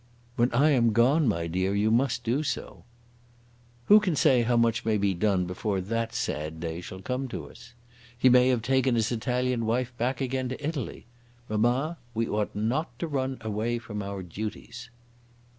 "When I am gone, my dear, you must do so." "Who can say how much may be done before that sad day shall come to us? He may have taken his Italian wife back again to Italy. Mamma, we ought not to run away from our duties."